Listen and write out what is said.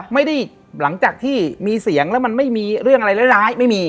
หลังจากที่มีเสียงแล้วมันไม่มีเรื่องอะไรร้ายไม่มี